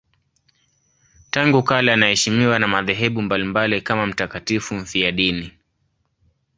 Tangu kale anaheshimiwa na madhehebu mbalimbali kama mtakatifu mfiadini.